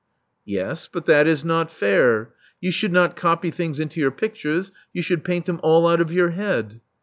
Yes; but that is not fair. You should not copy things into your pictures: you should paint them all out of your head."